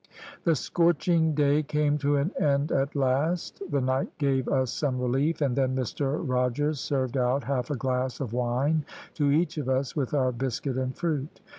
"The scorching day came to an end at last. The night gave us some relief, and then Mr Rogers served out half a glass of wine to each of us with our biscuit and fruit.